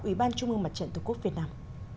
ubnd tổ quốc việt nam